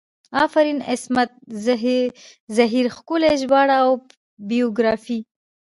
افرین عصمت زهیر ښکلي ژباړه او بیوګرافي